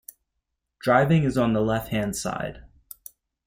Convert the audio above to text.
Driving is on the left-hand side.